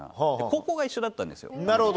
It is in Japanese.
高校が一緒だったんですよ。